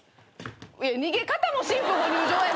逃げ方も新婦ご入場やね。